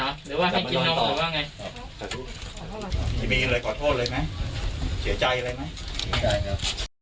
หรือว่าให้กินนอนหรือว่าไง